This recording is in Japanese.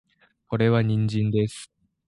これは人参です